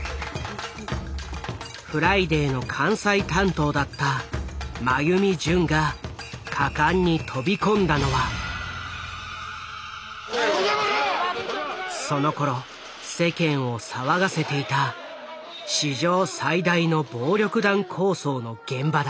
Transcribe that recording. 「フライデー」の関西担当だった眞弓準が果敢に飛び込んだのはそのころ世間を騒がせていた史上最大の暴力団抗争の現場だ。